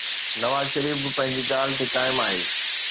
نواز شريف به پنهنجي ڳالهه تي قائم آهي.